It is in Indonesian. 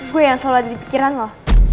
gue yang selalu ada di pikiran loh